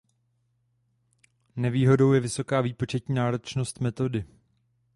Nevýhodou je vysoká výpočetní náročnost metody.